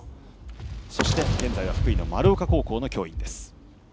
そして、現在は福井の丸岡高校の教員です。